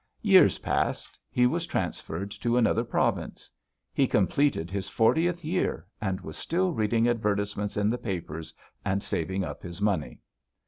"Years passed; he was transferred to another province. He completed his fortieth year and was still reading advertisements in the papers and saving up his money.